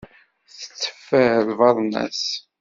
Tetteffer lbaḍna-s.